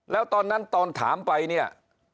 แล้วตอนนั้นตอนถามไปเนี่ย